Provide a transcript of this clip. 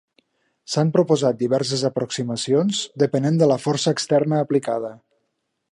S'han proposat diverses aproximacions, depenent de la força externa aplicada.